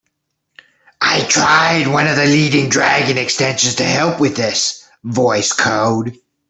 I tried one of the leading Dragon extensions to help with this, Voice Code.